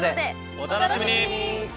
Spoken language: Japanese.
お楽しみに。